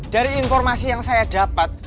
dari informasi yang saya dapat